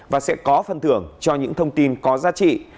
và sẽ có phân thưởng cho những thông tin có giá trị